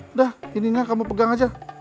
udah ini nggak kamu pegang aja